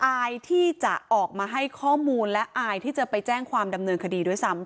อายที่จะออกมาให้ข้อมูลและอายที่จะไปแจ้งความดำเนินคดีด้วยซ้ำ